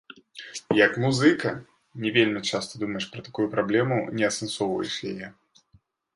Як музыка, не вельмі часта думаеш пра такую праблему, не асэнсоўваеш яе.